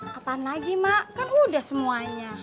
kapan lagi mak kan udah semuanya